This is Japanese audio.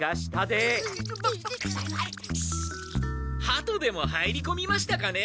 ハトでも入りこみましたかね。